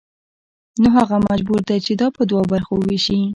نو هغه مجبور دی چې دا په دوو برخو ووېشي